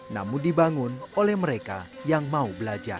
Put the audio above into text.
namun dibangun oleh mereka yang mau belajar